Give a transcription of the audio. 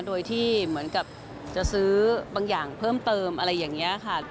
โดยที่เหมือนกับจะซื้อบางอย่างเพิ่มเติมอะไรอย่างนี้ค่ะ